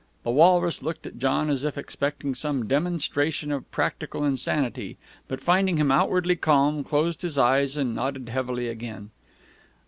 The walrus looked at John as if expecting some demonstration of practical insanity, but, finding him outwardly calm, closed his eyes and nodded heavily again.